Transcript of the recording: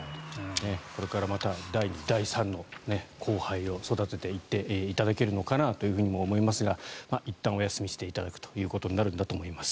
これからまた第２、第３の後輩を育てていっていただけるのかなとも思いますがいったんお休みしていただくということになるんだと思います。